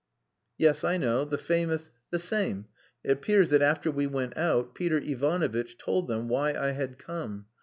"Yes, I know the famous..." "The same. It appears that after we went out Peter Ivanovitch told them why I had come.